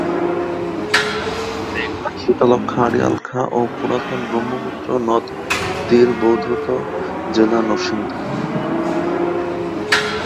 মেঘনা, শীতলক্ষ্যা, আড়িয়াল খাঁ ও পুরাতন ব্রহ্মপুত্র নদ তীর বিধৌত জেলা নরসিংদী।